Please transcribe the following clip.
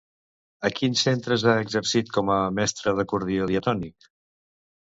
A quins centres ha exercit com a mestra d'acordió diatònic?